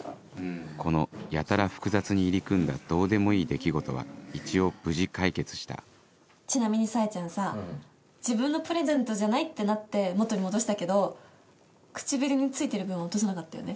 このやたら複雑に入り組んだどうでもいい出来事は一応無事解決したちなみにサエちゃんさ自分のプレゼントじゃないってなって元に戻したけど唇に付いてる分は落とさなかったよね。